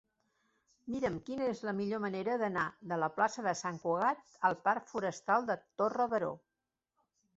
Mira'm quina és la millor manera d'anar de la plaça de Sant Cugat al parc Forestal de Torre Baró.